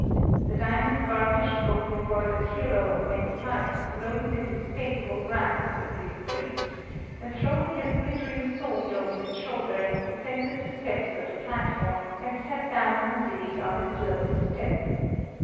The diamond garnished, gold embroidered hero of many fights rose in disdainful wrath with his priest, and throwing his glittering sword over his shoulder, descended the steps of the platform and sat down moodily on its lowest step.